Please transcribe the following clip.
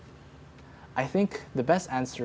di mana saya bisa membuat